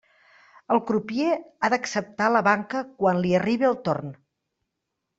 El crupier ha d'acceptar la banca quan li arribe el torn.